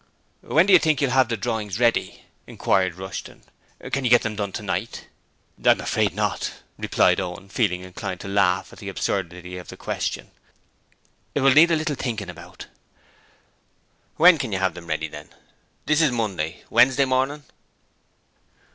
'When do you think you'll have the drawings ready?' inquired Rushton. 'Can you get them done tonight?' 'I'm afraid not,' replied Owen, feeling inclined to laugh at the absurdity of the question. 'It will need a little thinking about.' 'When can you have them ready then? This is Monday. Wednesday morning?'